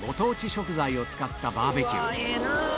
食材を使ったバーベキュー